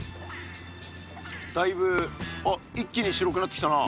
だいぶ一気に白くなってきたな。